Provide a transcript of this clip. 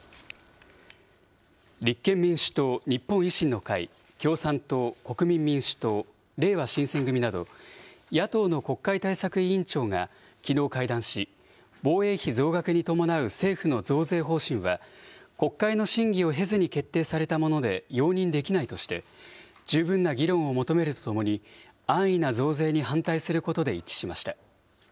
立憲民主党、日本維新の会、共産党、国民民主党、れいわ新選組など、野党の国会対策委員長がきのう会談し、防衛費増額に伴う政府の増税方針は、国会の審議を経ずに決定されたもので容認できないとして、十分な議論を求めるとともに、安易な増税に反対することで一致しました。